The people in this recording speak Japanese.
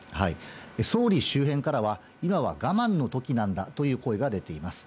総理周辺からは、今は我慢のときなんだという声が出ています。